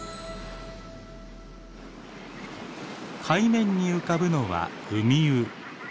海面に浮かぶのはウミウ。